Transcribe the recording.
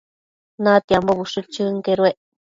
Natiambo ushë chënquedued